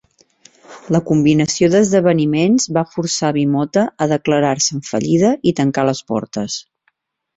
La combinació d'esdeveniments va forçar Bimota a declarar-se en fallida i tancar les portes.